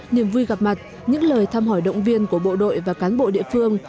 niềm vui gặp mặt những lời thăm hỏi động viên của bộ đội và cán bộ địa phương